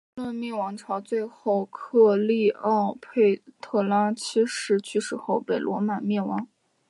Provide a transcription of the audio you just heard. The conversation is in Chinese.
托勒密王朝最后于克丽奥佩特拉七世去世后被罗马灭亡。